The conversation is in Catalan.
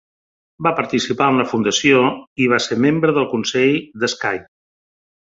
Va participar en la fundació i va ser membre del consell de Skye.